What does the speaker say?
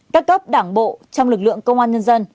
các cấp đảng bộ trong lực lượng công an nhân dân